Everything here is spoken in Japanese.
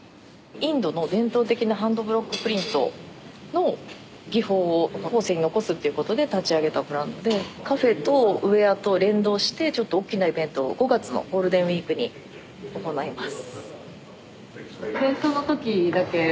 インドの伝統的なハンドブロックプリントの技法を後世に残すっていうことで立ち上げたブランドでカフェとウエアと連動してちょっとおっきなイベントを５月のゴールデンウイークに行ないます。